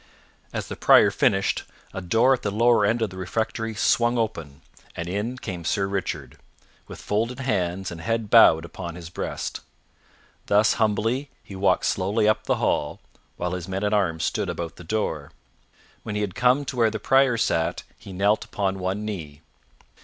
As the Prior finished, a door at the lower end of the refectory swung open, and in came Sir Richard, with folded hands and head bowed upon his breast. Thus humbly he walked slowly up the hall, while his men at arms stood about the door. When he had come to where the Prior sat, he knelt upon one knee.